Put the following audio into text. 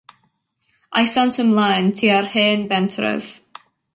Aethant ymlaen tua'r hen bentref.